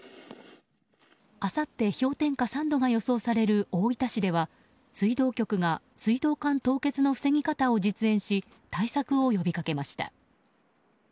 あさって氷点下３度が予想される大分市では水道局が水道管凍結の対策の防ぎ方を実演し対策を呼び掛けました。